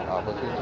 apa sih itu